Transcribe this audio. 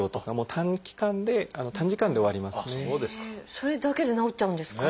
それだけで治っちゃうんですか？